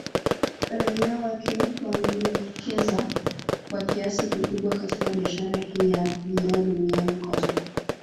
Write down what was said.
Raia wake wamewekeza kwa kiasi kikubwa katika Biasahara hii ya vioo Dunniani kote